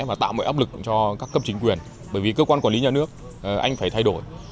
và tạo mọi áp lực cho các cấp chính quyền bởi vì cơ quan quản lý nhà nước anh phải thay đổi